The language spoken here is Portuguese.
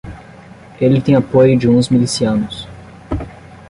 Ele tem apoio de uns milicianos.